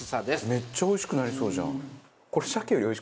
めっちゃおいしくなりそうじゃん。